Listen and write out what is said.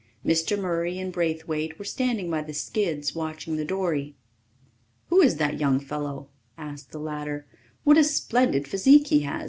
Mr. Murray and Braithwaite were standing by the skids, watching the dory. "Who is that young fellow?" asked the latter. "What a splendid physique he has!